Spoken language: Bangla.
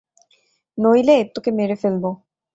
নইলে, তোকে মেরে ফেলব।